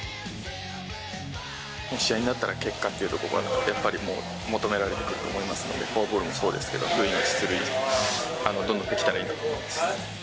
試合になったら結果っていうところが、やっぱり求められてくると思いますので、フォアボールもそうですけれども、塁に出塁、どんどんできたらいいなと思ってます。